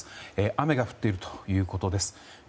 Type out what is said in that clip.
雨が降っているということです。